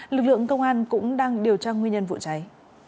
lực lượng công an cũng đang điều tra nguyên nhân vụ cháy